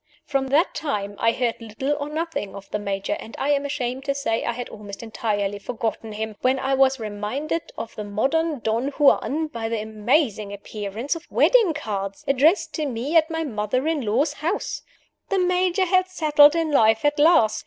From that time I heard little or nothing of the Major; and I am ashamed to say I had almost entirely forgotten him when I was reminded of the modern Don Juan by the amazing appearance of wedding cards, addressed to me at my mother in law's house! The Major had settled in life at last.